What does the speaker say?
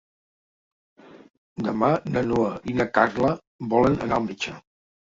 Demà na Noa i na Carla volen anar al metge.